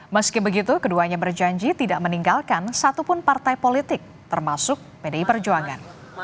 meski begitu keduanya berjanji tidak meninggalkan satupun partai politik termasuk pdi perjuangan